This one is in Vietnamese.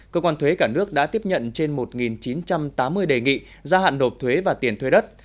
cơ quan thuế cả nước đã tiếp nhận trên một chín trăm tám mươi đề nghị gia hạn nộp thuế và tiền thuê đất